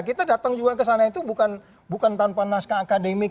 kita datang juga kesana itu bukan tanpa naskah akademik